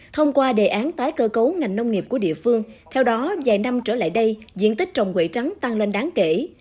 thông qua đề án tái cơ cấu ngành nông nghiệp của địa phương theo đó vài năm trở lại đây diện tích trồng quây trắng tăng lên đáng kể